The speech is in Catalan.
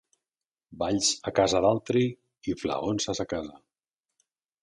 Balls a casa d'altri i flaons a sa casa.